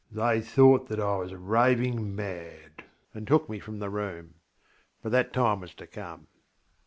They thought that I was raving mad, and took me from the room. But that time was to come.